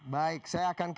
baik saya akan ke